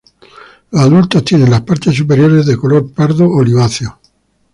Los adultos tienen las partes superiores de color pardo oliváceo.